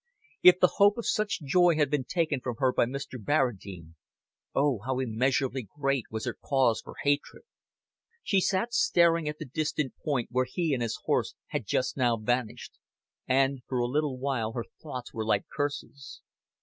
If the hope of such joy had been taken from her by Mr. Barradine, oh, how immeasureably great was her cause for hatred! She sat staring at the distant point where he and his horse had just now vanished, and for a little while her thoughts were like curses.